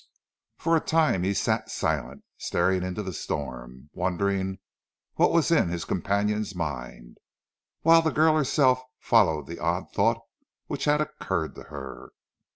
For a little time he sat silent, staring into the stove, wondering what was in his companion's mind, whilst the girl herself followed the odd thought which had occurred to her.